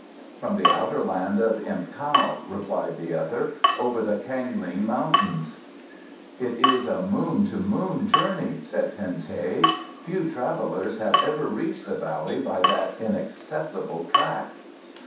"From the outer land of Im kau," replied the other. "Over the Kang ling mountains." "It is a moon to moon journey," said Ten teh. "Few travellers have ever reached the valley by that inaccessible track."